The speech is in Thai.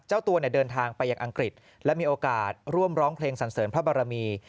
เจ้าตัวเดินทางไปยังอังกฤษและมีโอกาสร่วมร้องเพลงสันเสริญพระบรมี